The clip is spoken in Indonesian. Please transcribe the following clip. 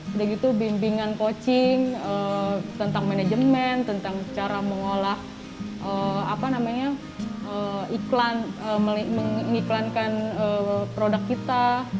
sudah gitu bimbingan coaching tentang manajemen tentang cara mengolah mengiklankan produk kita